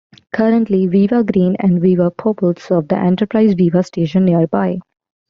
Currently, Viva Green and Viva Purple serve the Enterprise vivastation nearby.